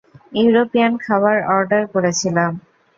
European খাবার order করেছিলাম।